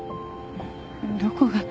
どこが？